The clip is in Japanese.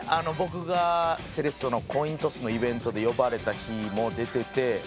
僕がセレッソのコイントスのイベントで呼ばれた日も出てて。